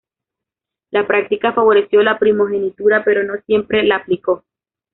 La práctica favoreció la primogenitura pero no siempre la aplicó.